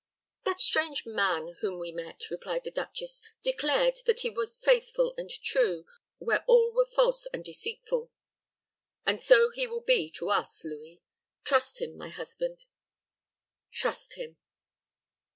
"That strange man whom we met," replied the duchess, "declared that he was faithful and true, where all were false and deceitful; and so he will be to us, Louis. Trust him, my husband trust him."